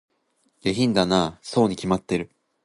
下品だなぁ、そうに決まってる